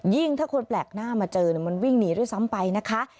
ถ้าคนแปลกหน้ามาเจอมันวิ่งหนีด้วยซ้ำไปนะคะ